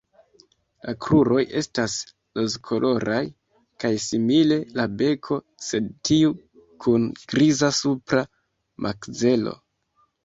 La kruroj estas rozkoloraj kaj simile la beko, sed tiu kun griza supra makzelo.